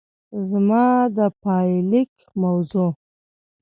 زما د پايليک موضوع